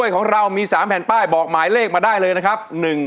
ของเรามี๓แผ่นป้ายบอกหมายเลขมาได้เลยนะครับ